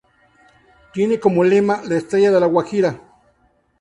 Tiene como lema: "La Estrella de La Guajira".